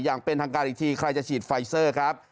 อย่างเป็นทางการอีกทีใครจะฉีดไฟเซอร์ครับ